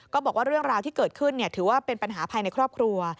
ก็บอกว่าเรื่องราวที่เกิดขึ้นถือว่าเป็นปัญหาภายในครอบครัว